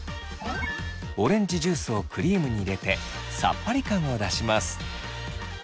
オレンジジュースをクリームに入れてさっぱり感を出します。